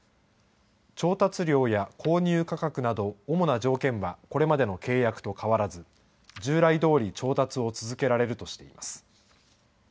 調達量や購入価格など主な条件はこれまでの契約と変わらず従来どおり調達を続けられるとしています。